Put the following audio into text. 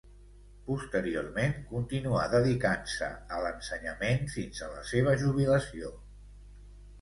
Posteriorment continuà dedicant-se a l'ensenyament fins a la seva jubilació.